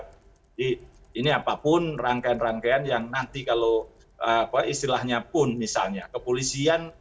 jadi ini apapun rangkaian rangkaian yang nanti kalau istilahnya pun misalnya kepolisian